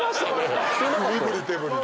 身ぶり手ぶりで。